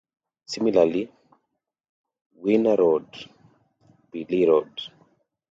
Similarly, Gwinear Road, Beaulieu Road.